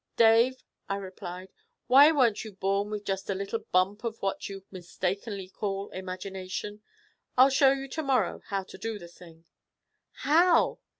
'Dave,' I replied, 'why weren't you born with just a little bump of what you mistakenly call imagination? I'll show you to morrow how to do the thing.' 'How?'